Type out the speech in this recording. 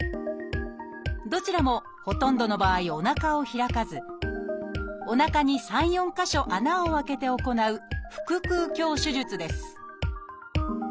どちらもほとんどの場合おなかを開かずおなかに３４か所穴を開けて行う腹くう鏡手術です